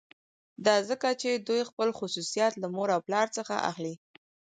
دا ځکه چې دوی خپل خصوصیات له مور او پلار څخه اخلي